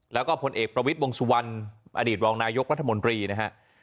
แล้วก็ผลเอกประวิทย์วงสุวรรณอดีตรองนายกรัฐมนตรีนะฮะ